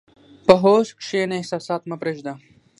په هوښ کښېنه، احساسات مه پرېږده.